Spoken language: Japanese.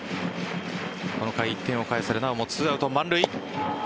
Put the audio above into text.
この回１点を返されなおも２アウト満塁。